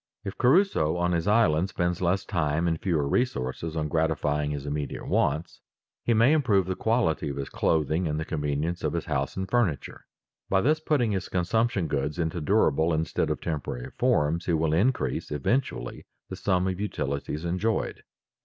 If Crusoe on his island spends less time and fewer resources on gratifying his immediate wants, he may improve the quality of his clothing and the convenience of his house and furniture. By thus putting his consumption goods into durable instead of temporary forms, he will increase eventually the sum of utilities enjoyed.